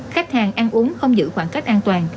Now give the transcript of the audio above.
khách hàng ăn uống không giữ khoảng cách an toàn